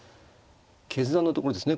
決断のところですね。